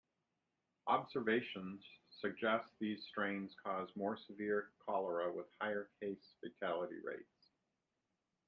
Observations suggest these strains cause more severe cholera with higher case fatality rates.